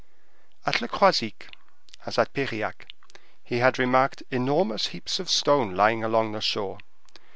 At Le Croisic as at Piriac, he had remarked enormous heaps of stone lying along the shore.